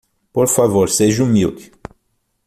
Por favor, seja humilde.